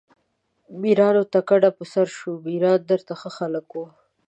میرانو ته کډه په سر شو، میران ډېر ښه خلک وو.